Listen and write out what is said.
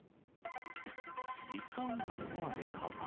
ディスカウントストアで火災。